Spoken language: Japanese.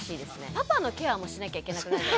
パパのケアもしなきゃいけなくなるじゃないですか。